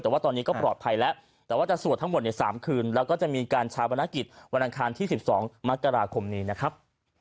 แต่ว่าตอนนี้ก็ปลอดภัยแล้วแต่ว่าจะสวดทั้งหมดใน๓คืนแล้วก็จะมีการชาวประนักกิจวันอังคารที่๑๒มกราคมนี้นะครับ